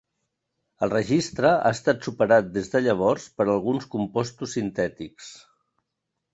El registre ha estat superat des de llavors per alguns compostos sintètics.